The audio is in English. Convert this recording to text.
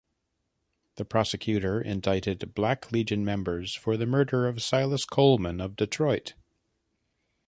The Prosecutor indicted Black Legion members for the murder of Silas Coleman of Detroit.